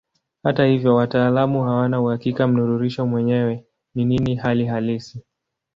Hata hivyo wataalamu hawana uhakika mnururisho mwenyewe ni nini hali halisi.